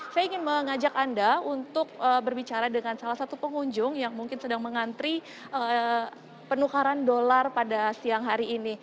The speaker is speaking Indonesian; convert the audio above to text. saya ingin mengajak anda untuk berbicara dengan salah satu pengunjung yang mungkin sedang mengantri penukaran dolar pada siang hari ini